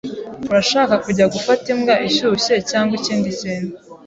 Urashaka kujya gufata imbwa ishyushye cyangwa ikindi kintu?